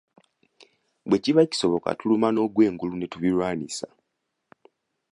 Bwe kiba kyetaagisa tuluma n'ogwengulu ne tubilwanyisa.